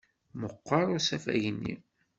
Meɣɣer usafag-nni!